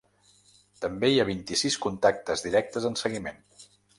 També hi ha vint-i-sis contactes directes en seguiment.